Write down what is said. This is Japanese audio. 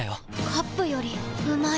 カップよりうまい